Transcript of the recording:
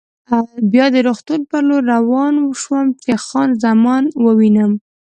بیا د روغتون په لور روان شوم چې خان زمان ووینم.